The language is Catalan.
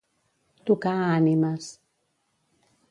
Tocar a ànimes.